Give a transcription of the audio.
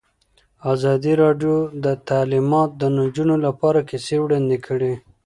ازادي راډیو د تعلیمات د نجونو لپاره کیسې وړاندې کړي.